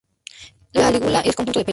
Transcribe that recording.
La lígula es un conjunto de pelos.